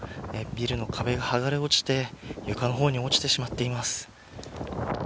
ビルの壁がはがれ落ちて床の方に落ちてしまっています。